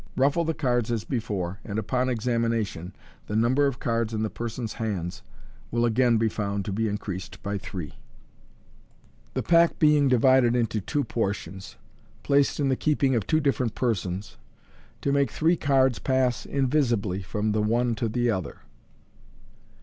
Ruffle the cards, as before, and, upon examination, the number of cards in the person's hards will again be found to be increased by three. 96 MODERN MAGIC The Pack being divided into Two Portions, placed in THE KEEPING OP TWO DIFFERENT PERSONS, TO MAKE ThREB Cards Pass invisibly from thb Onb to the Other.